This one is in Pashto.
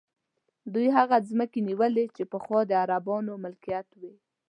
دوی هغه ځمکې نیولي چې پخوا د عربانو ملکیت وې.